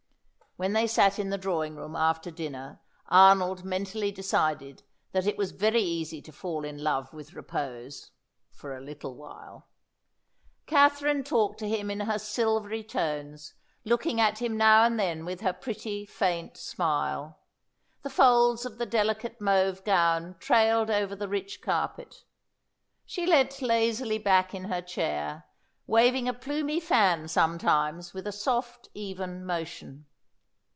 When they sat in the drawing room after dinner, Arnold mentally decided that it was very easy to fall in love with repose for a little while. Katherine talked to him in her silvery tones, looking at him now and then with her pretty, faint smile. The folds of the delicate mauve gown trailed over the rich carpet. She leant lazily back in her chair, waving a plumy fan, sometimes, with a soft, even motion.